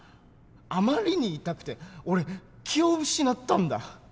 あまりに痛くて俺気を失ったんだ。